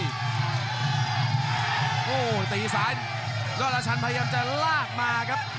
โอ้โหตีซ้ายยอดราชันพยายามจะลากมาครับ